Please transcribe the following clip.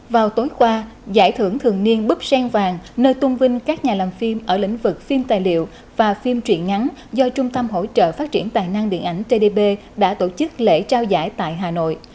vào tối qua giải thưởng thường niên búp sen vàng nơi tung vinh các nhà làm phim ở lĩnh vực phim tài liệu và phim truyền ngắn do trung tâm hỗ trợ phát triển tài năng điện ảnh tdp đã tổ chức lễ trao giải tại hà nội